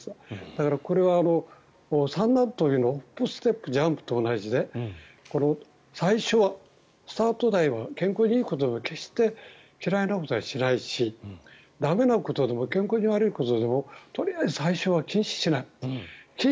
だからこれは、三段跳びのホップ・ステップ・ジャンプと同じで最初はスタートは健康にいいことは決して嫌いなことはしないし駄目なことでも健康に悪いことでもとりあえず最初は禁止しない。